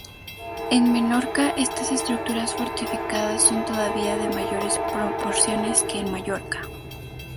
En Menorca estas estructuras fortificadas son todavía de mayores proporciones que en Mallorca.